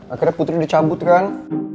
akhirnya putri dicabut kan